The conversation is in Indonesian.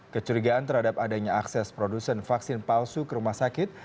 kecurigaan terhadap adanya akses produsen vaksin palsu ke rumah sakit